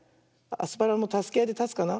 アスパラもたすけあいでたつかな。